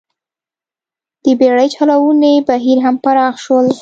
د بېړۍ چلونې بهیر هم پراخ شول